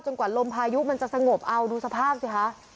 กว่าลมพายุมันจะสงบเอาดูสภาพสิคะ